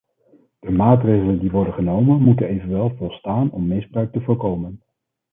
De maatregelen die worden genomen moeten evenwel volstaan om misbruik te voorkomen.